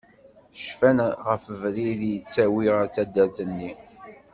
Cfan ɣef ubrid i yettawin ar taddart-nni.